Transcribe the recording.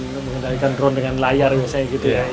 mengendalikan drone dengan layar biasanya gitu ya